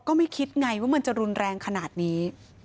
ก็ไม่คิดไงว่ามันจะรุนแรงขนาดนี้